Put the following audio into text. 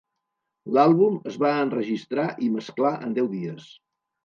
L'àlbum es va enregistrar i mesclar en deu dies.